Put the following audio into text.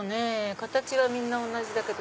形はみんな同じだけど。